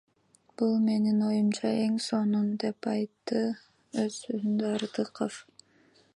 Бул менин оюмча эн сонун, — деп айтты оз созундо Артыков.